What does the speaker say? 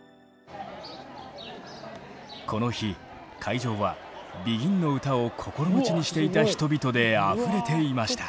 この日会場はＢＥＧＩＮの歌を心待ちにしていた人々であふれていました。